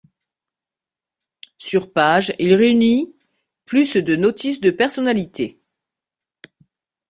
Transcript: Sur pages il réunit plus de notices de personnalités.